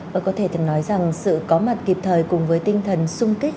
và có thể nói rằng sự có mặt kịp thời cùng với tinh thần sung kích